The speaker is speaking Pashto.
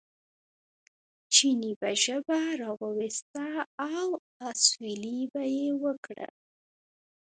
چیني به ژبه را وویسته او اسوېلی به یې وکړ.